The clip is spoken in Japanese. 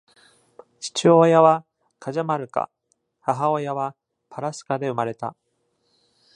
父親はカジャマルカ、母親はパラスカで生まれた。